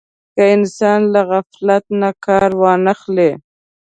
که انسان له غفلت نه کار وانه خلي.